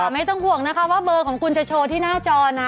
ไม่ต้องห่วงนะคะว่าเบอร์ของคุณจะโชว์ที่หน้าจอนะ